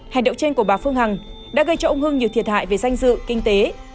hành động trên của bà phương hằng đã gây cho ông hưng nhiều thiệt hại về danh dự kinh tế